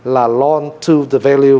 là loan to the value